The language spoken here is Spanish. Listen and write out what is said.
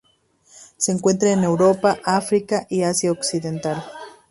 Se encuentra en Europa, África y Asia occidental.